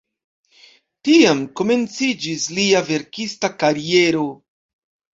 Tiam komenciĝis lia verkista kariero.